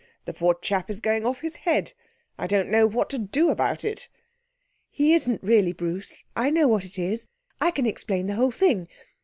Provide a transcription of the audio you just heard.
The poor chap is going off his head. I don't know what to do about it.' 'He isn't really, Bruce. I know what it is. I can explain the whole thing.